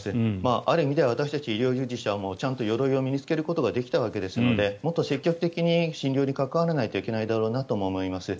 ある意味で私たち医療従事者はちゃんとよろいを身に着けることができたわけですのでもっと積極的に診療に関わらないといけないだろうなとも思います。